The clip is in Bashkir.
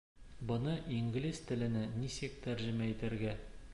Быны инглиз теленә нисек тәржемә итергә?